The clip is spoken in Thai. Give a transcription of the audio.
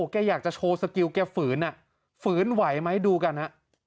แกอยากจะโชว์สกิลแกฝืนฝืนไหวไหมดูกันฮะ